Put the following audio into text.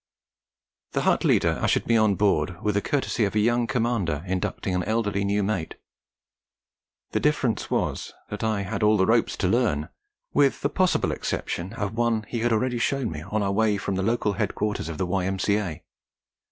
The hut leader ushered me on board with the courtesy of a young commander inducting an elderly new mate; the difference was that I had all the ropes to learn, with the possible exception of one he had already shown me on our way from the local headquarters of the Y.M.C.A.